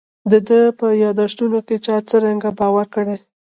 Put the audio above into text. د ده په یاداشتونو چا څرنګه باور کړی.